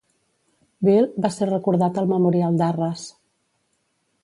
Beal va ser recordat al Memorial d"Arras.